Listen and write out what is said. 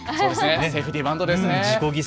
セーフティーバントですね。